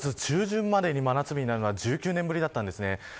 ５月中旬まで真夏日になるのは１９年ぶりだったんです。